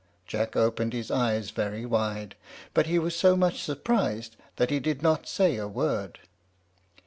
Jack opened his eyes very wide, but he was so much surprised that he did not say a word.